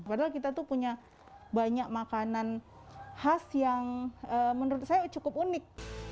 padahal kita tuh punya banyak makanan khas yang menurut saya cukup unik